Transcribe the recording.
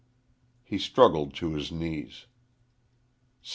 He struggled to his knees.